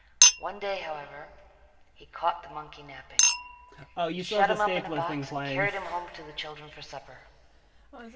One day, however, he caught the monkey napping. He shut him up in a box and carried him home to the children for supper.